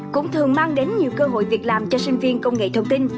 cũng thường mang đến nhiều cơ hội việc làm cho sinh viên công nghệ thông tin